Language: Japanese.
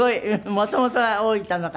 元々が大分の方。